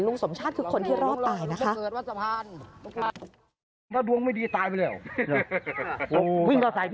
สมชาติคือคนที่รอดตายนะคะ